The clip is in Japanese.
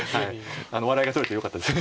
笑いが取れてよかったです。